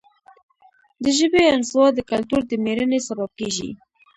د ژبې انزوا د کلتور د مړینې سبب کیږي.